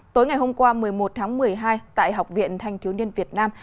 tối ngày hôm qua một mươi một tháng một mươi hai tại học viện thanh thiếu niên việt nam